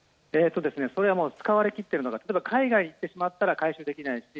それは使われ切っているのが海外に行ってしまったら回収できないし。